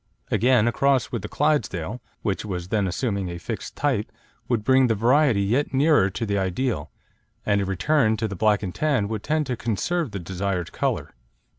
Again, a cross with the Clydesdale, which was then assuming a fixed type, would bring the variety yet nearer to the ideal, and a return to the black and tan would tend to conserve the desired colour.